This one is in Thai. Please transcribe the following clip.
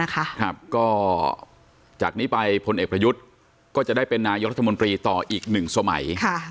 ก็จากนี้ไปพลเอกประยุทธ์ก็จะได้เป็นนายกรัฐมนตรีต่ออีก๑สมัย